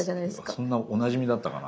そんなおなじみだったかな。